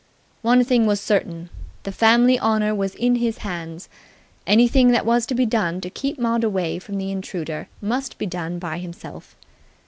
One thing was certain. The family honour was in his hands. Anything that was to be done to keep Maud away from the intruder must be done by himself.